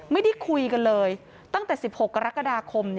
ไม่ได้คุยกันเลยตั้งแต่๑๖กรกฎาคม